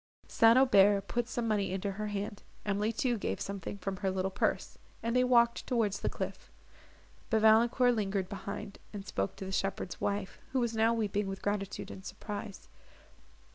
St. Aubert put some money into her hand, Emily too gave something from her little purse, and they walked towards the cliff; but Valancourt lingered behind, and spoke to the shepherd's wife, who was now weeping with gratitude and surprise.